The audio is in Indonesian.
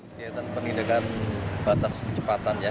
kegiatan penindakan batas kecepatan ya